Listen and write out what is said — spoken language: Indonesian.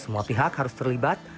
semua pihak harus terlibat